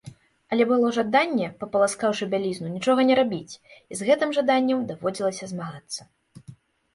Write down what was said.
Але было жаданне, папаласкаўшы бялізну, нічога не рабіць, і з гэтым жаданнем даводзілася змагацца.